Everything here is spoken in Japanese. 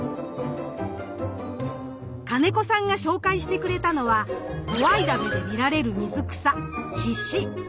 金子さんが紹介してくれたのは小合溜で見られる水草ヒシ。